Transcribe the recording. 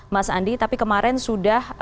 mas andi tapi kemarin sudah